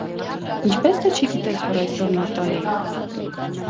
Ինչպե՞ս թե չգիտես, որ այսօր Նոր տարի է: